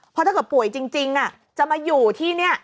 เพราะถ้าเกิดป่วยจริงจะมาอยู่ที่นี่